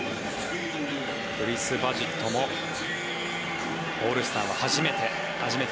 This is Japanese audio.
クリス・バジットもオールスターは初めて。